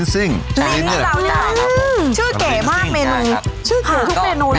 ซื้อเก่มากทุกเมนู